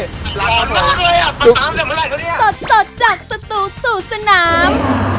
สดสดจากสตูสู่สนาม